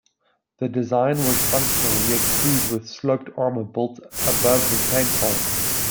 The design was functional yet crude with sloped armour built above the tank hull.